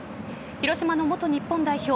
広島の元日本代表